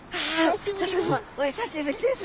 お久しぶりです。